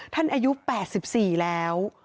ท่านอายุ๘๔แล้ว